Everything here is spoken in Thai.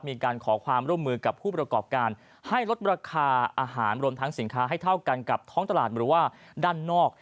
มีการขอความร่วมมือกับผู้ประกอบการให้ลดราคาอาหารรวมทั้งสินค้าให้เท่ากันกับท้องตลาดหรือว่าด้านนอก